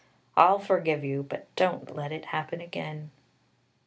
I'll forgive you; but don't let it happen again."